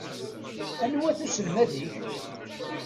Anwa-t uselmad-ik?